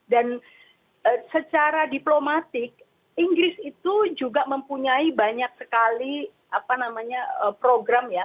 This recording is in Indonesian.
dan secara diplomatik inggris itu juga mempunyai banyak sekali apa namanya program ya